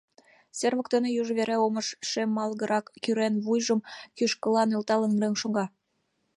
Сер воктене южо вере омыж, шемалгырак-кӱрен вуйжым кӱшкыла нӧлталын, рыҥ шога.